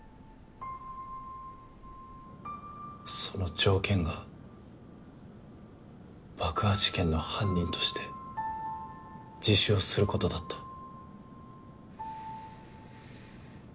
その条件が爆破事件の犯人として自首をすることだった。